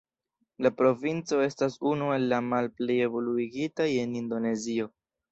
La provinco estas unu el la malplej evoluigitaj en Indonezio.